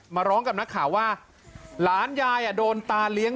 มาร้องกับนักข่าวว่าหลานยายโดนตาเลี้ยง